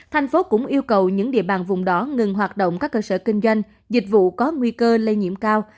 thành phố cũng yêu cầu những địa bàn vùng đó ngừng hoạt động các cơ sở kinh doanh dịch vụ có nguy cơ lây nhiễm cao